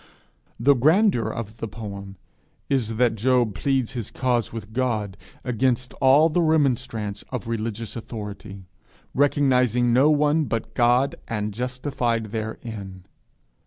The grandeur of the poem is that Job pleads his cause with God against all the remonstrance of religious authority, recognizing no one but God, and justified therein.